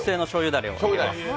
だれを入れます。